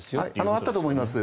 あったと思います。